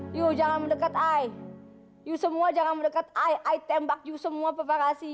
hai yo jangan mendekat i you semua jangan mendekat i tembak you semua preparasi